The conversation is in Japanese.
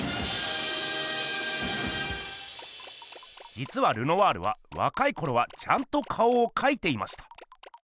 じつはルノワールはわかいころはちゃんと顔をかいていました。